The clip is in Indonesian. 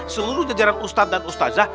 seluruh jajaran ustadz dan ustazah